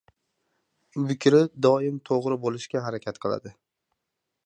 • Bukri doim to‘g‘ri bo‘lishga harakat qiladi.